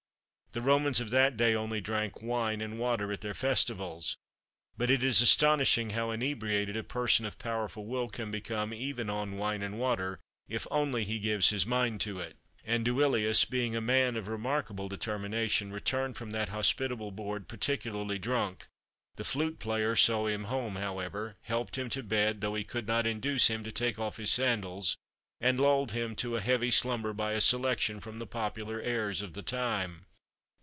The Romans of that day only drank wine and water at their festivals, but it is astonishing how inebriated a person of powerful will can become, even on wine and water, if he only gives his mind to it. And Duilius, being a man of remarkable determination, returned from that hospitable board particularly drunk; the flute player saw him home, however, helped him to bed, though he could not induce him to take off his sandals, and lulled him to a heavy slumber by a selection from the popular airs of the time.